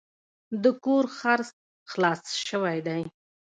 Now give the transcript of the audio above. د کور خرڅ خلاص شوی دی.